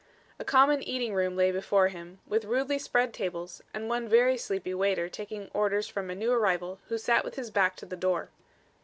A common eating room lay before him, with rudely spread tables and one very sleepy waiter taking orders from a new arrival who sat with his back to the door.